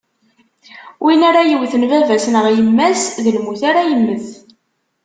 Win ara yewten baba-s neɣ yemma-s, d lmut ara yemmet.